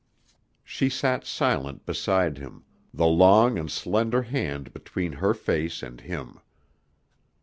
She sat silent beside him, the long and slender hand between her face and him.